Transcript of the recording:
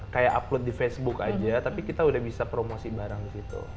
kayak upload di facebook aja tapi kita udah bisa promosi barang di situ